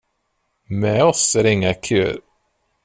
Med oss är det inga köer.